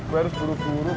gue harus buru buru berbicara